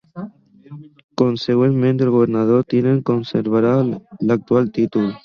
Consegüentment, el governador tinent conservarà l'actual títol.